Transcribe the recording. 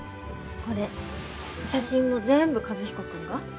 これ写真も全部和彦君が？